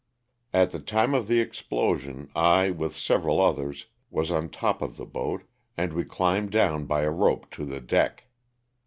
At the time of the explosion I, with several others, was on top of the boat, and we climbed down by a rope to the deck.